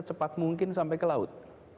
cepat mungkin sampai ke laut